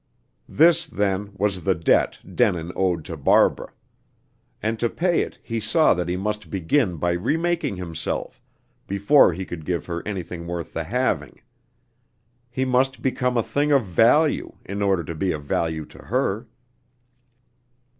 This, then, was the debt Denin owed to Barbara. And to pay it he saw that he must begin by remaking himself, before he could give her anything worth the having. He must become a thing of value, in order to be of value to her.